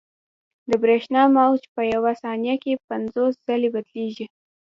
د برېښنا موج په یوه ثانیه کې پنځوس ځلې بدلېږي.